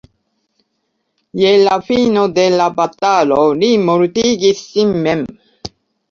Je la fino de la batalo li mortigis sin mem.